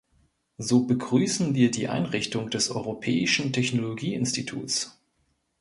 So begrüßen wir die Einrichtung des Europäischen Technologieinstituts.